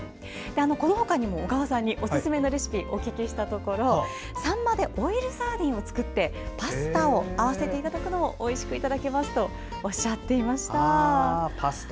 この他にも小川さんにおすすめのレシピをお聞きしたところサンマでオイルサーディンを作ってパスタを合わせていただくのもおいしくいただけますとおっしゃっていました。